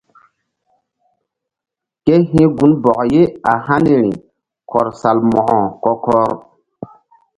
Ke hi̧ gunbɔk ye a haniri kɔr Salmo̧ko kɔ-kɔr.